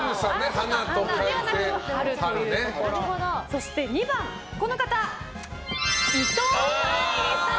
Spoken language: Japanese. そして２番、伊藤沙莉さん。